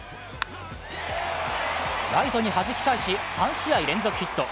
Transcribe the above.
ライトにはじき返し、３試合連続のヒット。